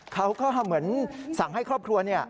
เขาก็เหมือนสั่งให้ครอบครัวเนี่ย